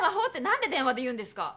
何で電話で言うんですか？